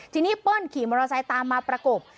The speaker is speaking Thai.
ทีนี้เปิ้ลขี่มอเตอร์ไซค์ตามมาประกบ